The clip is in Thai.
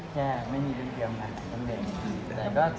แค่ไม่มีเรื่องเตรียมงานทั้งเด็ก